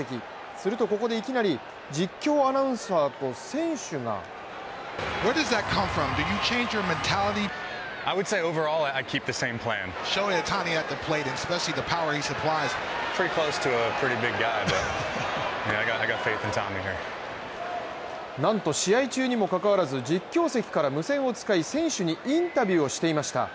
すると、ここでいきなり実況アナウンサ−と選手がなんと試合中にもかかわらず実況席から無線を使い、選手にインタビューをしていました。